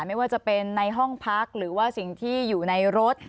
ไม่ว่าจะเป็นในห้องพักหรือว่าสิ่งที่อยู่ในรถ